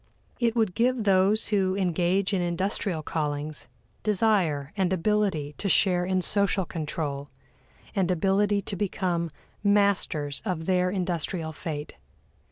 It would give those who engage in industrial callings desire and ability to share in social control, and ability to become masters of their industrial fate.